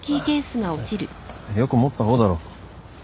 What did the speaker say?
よく持った方だろ。